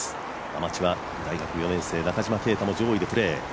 アマチュア、大学４年生、中島啓太も上位でプレー。